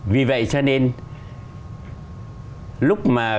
vì vậy cho nên lúc mà